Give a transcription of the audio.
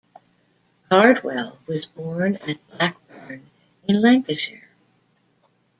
Cardwell was born at Blackburn in Lancashire.